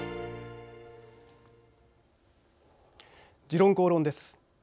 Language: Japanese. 「時論公論」です。